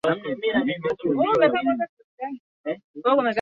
wakisha piga kura wataona mabadiliko makubwa katika maisha yao